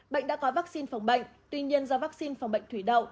bệnh đã có vaccine phòng bệnh tuy nhiên do vaccine phòng bệnh thủy đậu